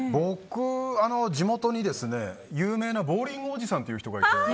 僕は、地元に有名なボウリングおじさんっていう人がいて。